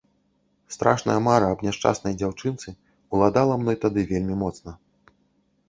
Страшная мара аб няшчаснай дзяўчынцы ўладала мной тады вельмі моцна.